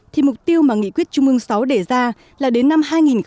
thì mục tiêu mà nghị quyết trung ương sáu để ra là đến năm hai nghìn ba mươi